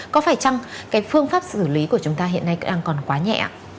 có phải chăng cái phương pháp xử lý của chúng ta hiện nay đang còn quá nhẹ ạ